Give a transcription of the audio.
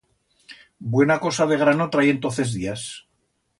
Buena cosa de grano trayen toz es días.